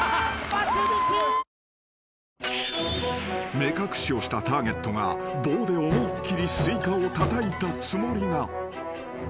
［目隠しをしたターゲットが棒で思いっ切りスイカをたたいたつもりが］